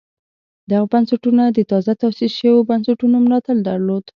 دغه بنسټونه د تازه تاسیس شویو بنسټونو ملاتړ درلود